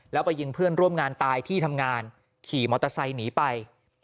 แล้วไปยิงเพื่อนร่วมงานตายที่ทำงานขี่มอเตอร์ไซค์หนีไป